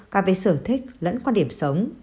cả về sở thích lẫn quan điểm sống